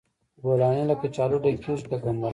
بولاني له کچالو ډکیږي که ګندنه؟